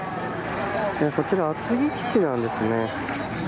こちら、厚木基地なんですね。